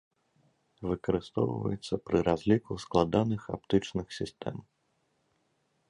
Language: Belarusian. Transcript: Выкарыстоўваецца пры разліку складаных аптычных сістэм.